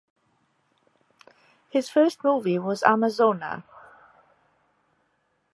His first movie was "Amazona".